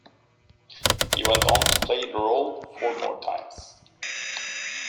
He went on to play the role four more times.